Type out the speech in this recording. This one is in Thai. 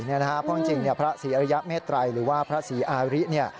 เพราะจริงพระศรีอริยเมตรัยหรือว่าพระศรีอาริ